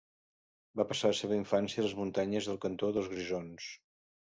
Va passar la seva infància a les muntanyes del cantó de Grisons.